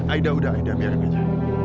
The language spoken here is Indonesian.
aida udah biar di meja